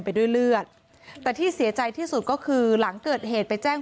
ไปด้วยเลือดแต่ที่เสียใจที่สุดก็คือหลังเกิดเหตุไปแจ้ง